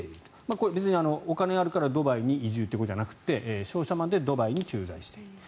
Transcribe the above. これは別にお金があるからドバイに移住ということじゃなくて商社マンでドバイに駐在していると。